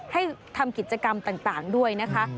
ให้ทำกิจกรรมต่างด้วยนะคะ